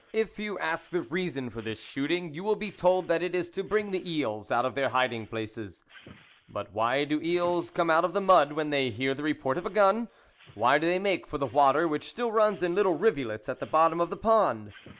If you ask the reason for this shooting, you will be told that it is to bring the eels out of their hiding places. But why do eels come out of the mud when they hear the report of a gun ? Why do they make for the water which still runs in little rivulets at the bottom of the pond